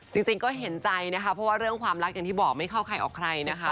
จริงก็เห็นใจนะคะเพราะว่าเรื่องความรักอย่างที่บอกไม่เข้าใครออกใครนะคะ